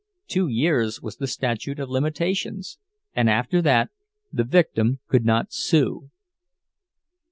Two years was the "statute of limitations," and after that the victim could not sue.